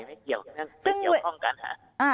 ไม่เกี่ยวข้องกันค่ะ